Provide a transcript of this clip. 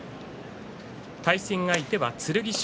対戦相手は剣翔。